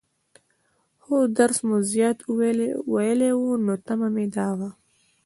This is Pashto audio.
خو درس مې زيات وويلى وو، نو تمه مې دا وه.